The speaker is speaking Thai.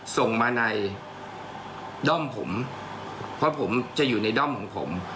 ส่งมาในด้อมผมเพราะผมจะอยู่ในด้อมของผม